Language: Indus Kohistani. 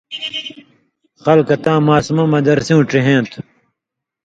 خلکہ تاں ماسمہ مدرسیُوں ڇہیں تھو